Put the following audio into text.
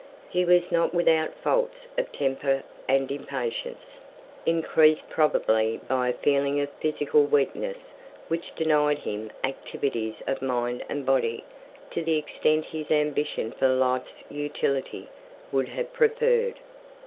He was not without faults of temper and impatience, increased probably by a feeling of physical weakness which denied him activities of mind and body to the extent his ambition for life's utility would have preferred.